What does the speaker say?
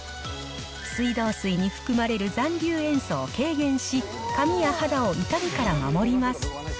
水道水に含まれる残留塩素を軽減し、髪や肌を傷みから守ります。